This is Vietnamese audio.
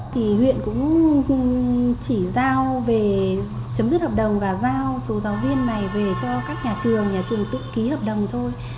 thì huyện cũng chỉ giao về chấm dứt hợp đồng và giao số giáo viên này về cho các nhà trường nhà trường tự ký hợp đồng thôi